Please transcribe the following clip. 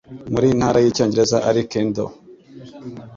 Muri Intara Yicyongereza Ari Kendal